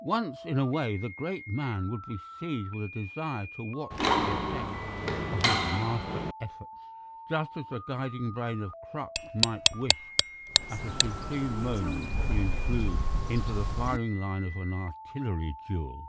"Once in a way the great man would be seized with a desire to watch the effect of his master efforts, just as the guiding brain of Krupp's might wish at a supreme moment to intrude into the firing line of an artillery duel.